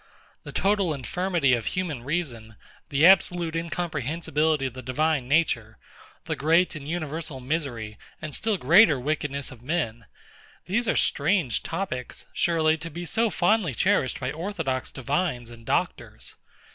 The total infirmity of human reason, the absolute incomprehensibility of the Divine Nature, the great and universal misery, and still greater wickedness of men; these are strange topics, surely, to be so fondly cherished by orthodox divines and doctors.